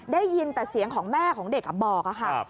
ได้ยินแต่เสียงของแม่ของเด็กบอกค่ะ